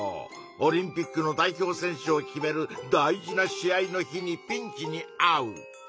オリンピックの代表選手を決める大事な試合の日にピンチにあう。